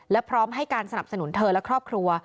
และพร้อมให้การสนับสนุนเธอและครอบครัว